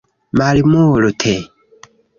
Malmulte